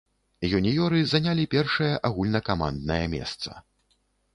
Юніёры занялі першае агульнакаманднае месца.